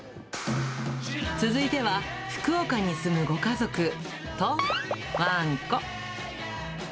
続いては、福岡に住むご家族と、ワンコ。